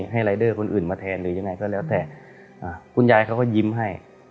รายเดอร์คนอื่นมาแทนหรือยังไงก็แล้วแต่คุณยายเขาก็ยิ้มให้